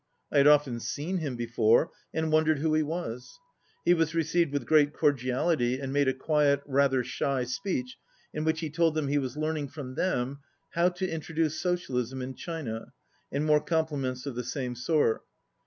I had often seen him before, and wondered who he was. He was received with great cordiality and, made a quiet, rather shy speech in which he told them he was learning from them how to introduce socialism in China, and more compliments of the same sort.